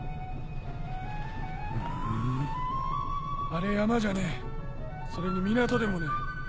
ありゃ山じゃねえそれに港でもねえ。